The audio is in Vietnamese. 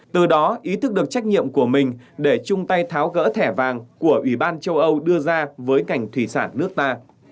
từ đó ý thức được trách nhiệm của mình để chung tay tháo gỡ thẻ vàng của ủy ban châu âu đưa ra với ngành thủy sản nước ta